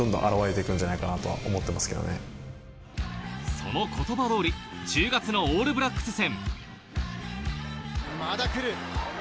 その言葉通り、１０月のオールブラックス戦。